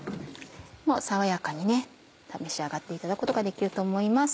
爽やかに召し上がっていただくことができると思います。